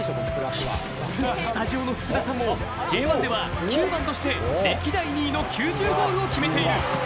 スタジオの福田さんもＪ１では９番として歴代２位の９０ゴールを決めている。